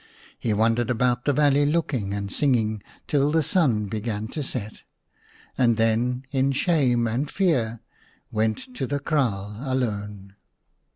He wandered about the valley looking and singing till the sun began to set, and then in shame and fear went to the kraal alone.